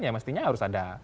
ya mestinya harus ada